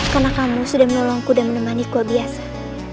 karena kamu sudah menolongku dan menemani ku abiasa